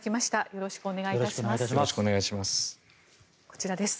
よろしくお願いします。